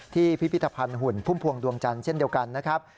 พิพิธภัณฑ์หุ่นพุ่มพวงดวงจันทร์เช่นเดียวกันนะครับ